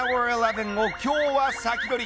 １１を今日はサキドリ。